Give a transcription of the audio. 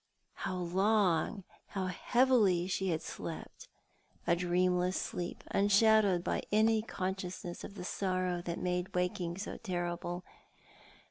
How long, how heavily she had slept — 154 Thou art the Man. a, dreamless sleep, unshadowed by any consciousness of the sorrow that made waking so terrible.